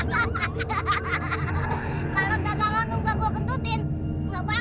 kamu tidak akan datang kembali